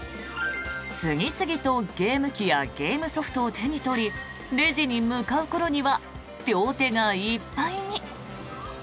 次々とゲーム機やゲームソフトを手に取りレジに向かう頃には両手がいっぱいに。